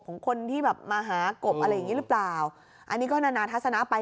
ของคนที่แบบมาหากบอะไรอย่างงี้หรือเปล่าอันนี้ก็นานาทัศนะไป